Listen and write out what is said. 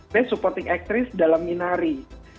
best supporting actress dalam minari